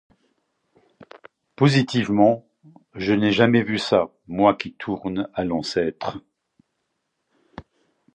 Positivement, je n'ai jamais vu ça, moi qui tourne à l'ancêtre.